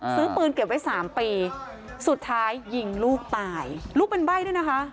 ซื้อปืนเก็บไว้สามปีสุดท้ายยิงลูกตายลูกเป็นใบ้ด้วยนะคะ